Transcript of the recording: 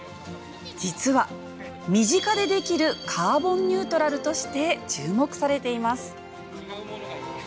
実は身近でできるカーボンニュートラルとして注目されています。